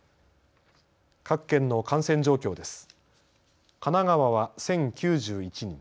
各県の感染状況です。